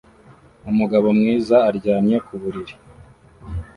Umugabo mwiza aryamye ku buriri